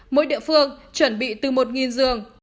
mỗi địa phương chuẩn bị từ một giường